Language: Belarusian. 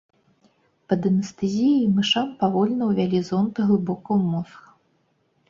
Пад анестэзіяй мышам павольна ўвялі зонд глыбока ў мозг.